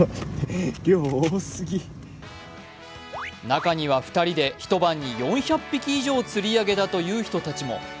中には、２人で一晩に４００匹以上釣り上げたという人たちも。